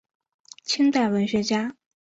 清代文学家。